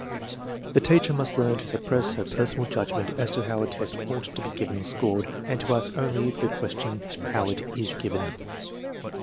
The teacher must learn to suppress her personal judgment as to how a test ought to be given or scored, and to ask only the ques tion how it is given.